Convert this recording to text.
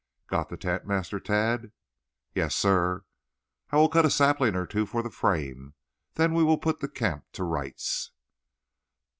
Got the tent, Master Tad?" "Yes, sir." "I will cut a sapling or two for the frame; then we will put the camp to rights."